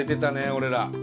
俺ら。